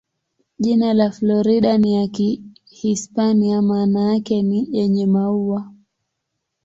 Jina la Florida ni ya Kihispania, maana yake ni "yenye maua".